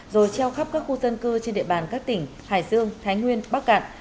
rồi treo khắp các khu dân cư trên địa bàn các tỉnh hải dương thái nguyên bắc cạn